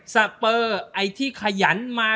สเปอร์ไอ้ที่ขยันมา